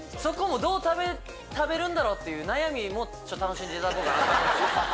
どう食べるんだろう？って悩みも楽しんでいただこうかなと思って。